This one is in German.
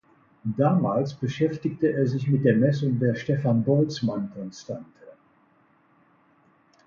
Damals beschäftigte er sich mit der Messung der Stefan-Boltzmann-Konstante.